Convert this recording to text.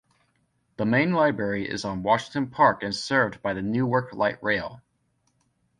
The Main Library is on Washington Park and served by the Newark Light Rail.